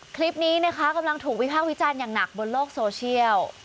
คลิปนี้นะคะกำลังถูกวิภาควิจารณ์อย่างหนักบนโลกโซเชียล